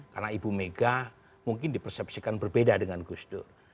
karena ibu mega mungkin dipersepsikan berbeda dengan gus dur